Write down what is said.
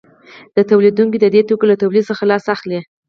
تولیدونکي د دې توکو له تولید څخه لاس اخلي